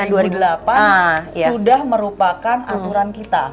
itu dari dua ribu delapan sudah merupakan aturan kita